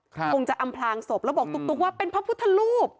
คงจะอำพลางศพแล้วบอกตุ๊กว่าเป็นพระพุทธรูป